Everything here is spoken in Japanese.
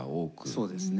そうですね。